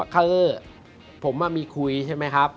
คือผมมีคุยใช่ไหมครับ